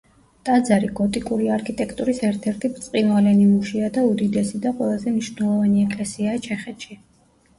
ტაძარი გოტიკური არქიტექტურის ერთ-ერთი ბრწყინვალე ნიმუშია და უდიდესი და ყველაზე მნიშვნელოვანი ეკლესიაა ჩეხეთში.